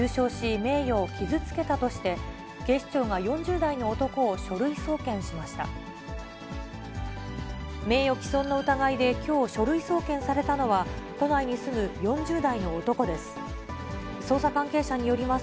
名誉毀損の疑いできょう、書類送検されたのは、都内に住む４０代の男です。